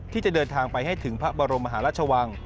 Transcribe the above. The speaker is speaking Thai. ที่จะเดินทางไปให้ถึงพระบรมมหาราชวัง